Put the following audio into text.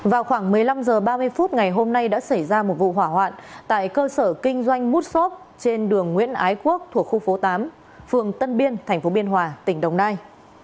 vào khoảng một mươi năm h ba mươi phút ngày hôm nay đã xảy ra một vụ hỏa hoạn tại cơ sở kinh doanh mút xốp trên đường nguyễn ái quốc thuộc khu phố tám phường tân biên tp biên hòa tỉnh đồng nai